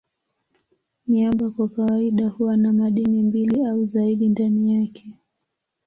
Miamba kwa kawaida huwa na madini mbili au zaidi ndani yake.